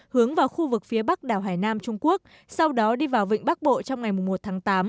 hướng vào khu vực phía bắc đảo hải nam trung quốc sau đó đi vào vịnh bắc bộ trong ngày một tháng tám